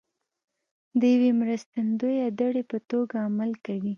د یوې مرستندویه دړې په توګه عمل کوي